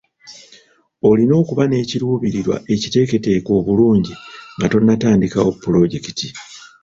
Olina okuba n'ekiruubirirwa ekiteeketeeke obulungi nga tonnatandikawo pulojekiti.